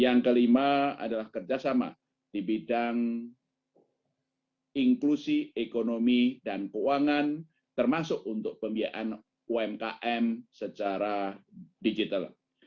yang kelima adalah kerjasama di bidang inklusi ekonomi dan keuangan termasuk untuk pembiayaan umkm secara digital